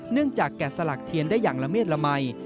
เนื่องจากแกดสลักเทียนได้อย่างละเมียดละใหม่